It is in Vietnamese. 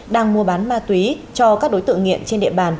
đang mua bán ma túy cho các đối tượng nghiện trên địa bàn